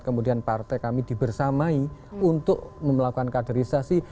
kemudian partai kami dibersamai untuk melakukan kaderisasi